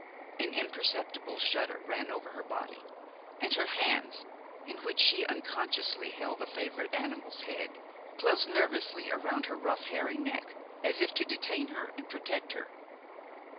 An imperceptible shudder ran over her body, and her hands, in which she unconsciously held the favorite animal's head, closed nervously around her rough, hairy neck, as if to detain her and protect her.